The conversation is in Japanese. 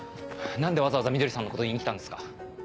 何でわざわざみどりさんのこと言いにきたんですか？